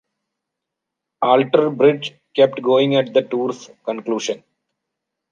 Alter Bridge kept going at the tour's conclusion.